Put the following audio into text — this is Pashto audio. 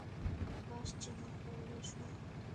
کش چي ما کولې شواې